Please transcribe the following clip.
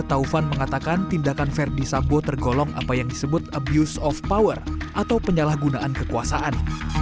taufan mengatakan tindakan verdi sambo tergolong apa yang disebut abuse of power atau penyalahgunaan kekuasaan